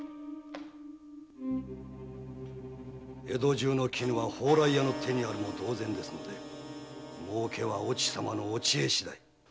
江戸中の絹は蓬莱屋の手にあるも同然ですので儲けは越智様のお知恵しだい。